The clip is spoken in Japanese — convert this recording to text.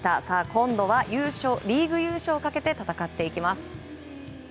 今度はリーグ優勝をかけて戦っていきます。